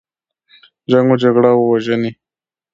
جنګ و جګړه او وژنې.